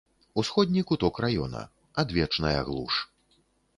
Усходні куток раёна, адвечная глуш.